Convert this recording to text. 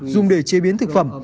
dùng để chế biến thực phẩm